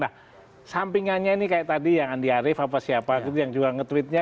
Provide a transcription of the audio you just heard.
nah sampingannya ini kayak tadi yang andi arief apa siapa gitu yang juga nge tweetnya